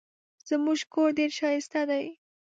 زموږ کور ډېر ښایسته دی.